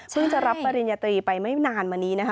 จะรับปริญญาตรีไปไม่นานมานี้นะคะ